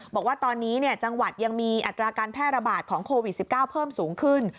บอกว่าตอนนี้จังหวัดยังมีอัตราการแพร่ระบาดของโควิด๑๙เพิ่มสูงขึ้น